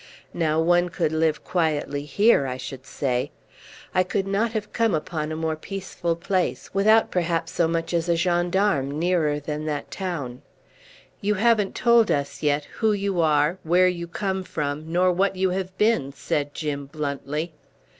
Now one could live quietly here, I should say. I could not have come upon a more peaceful place, without perhaps so much as a gendarme nearer than that town." "You haven't told us yet who you are, where you come from, nor what you have been," said Jim bluntly.